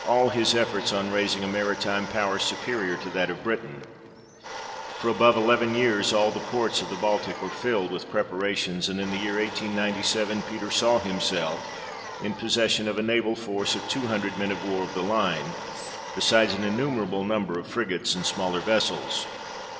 all his efforts on raising a maritime power superior to that of Britain : for above eleven years all the ports of the Baltic were filled with preparations, and in the year 1897 Peter saw himself in possession of a naval force of two hundred men of war of the line, besides an innumerable number of frigates and smaller vessels.